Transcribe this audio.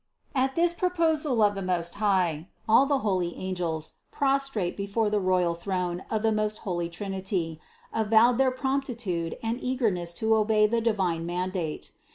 200. At this proposal of the Most High all the holy angels, prostrate before the royal throne of the most holy Trinity, avowed their promptitude and eagerness to obey the divine mandate.